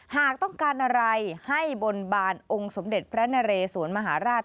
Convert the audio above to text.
หากต้องการอะไรให้บนบานองค์สมเด็จพระนเรสวนมหาราช